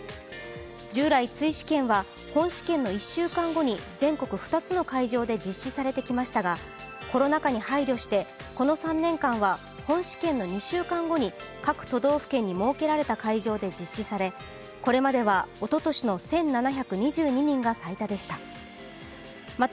従来、追試験は本試験の１週間後に全国２つの会場で実施されてきましたがコロナ禍に配慮してこの３年間は本試験の２週間後に各都道府県に設けられた会場で実施され、これまではおととしの１７２２人が最多でした。